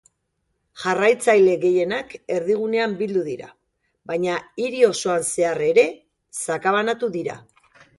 Jarraitzaile gehienak erdigunean bildu dira, baina hiri osoan zehar ere sakabanatu dira.